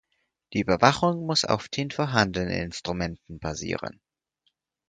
Die Überwachung muss auf den vorhandenen Instrumenten basieren.